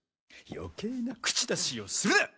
余計な口出しをするな！